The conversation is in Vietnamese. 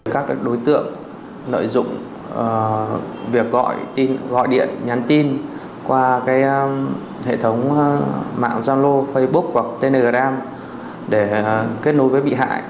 các đối tượng lợi dụng việc gọi điện nhắn tin qua hệ thống mạng giao lô facebook hoặc telegram để kết nối với bị hại